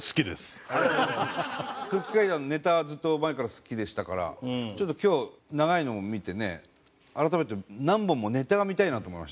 空気階段のネタはずっと前から好きでしたからちょっと今日長いのも見てね改めて何本もネタが見たいなと思いましたね。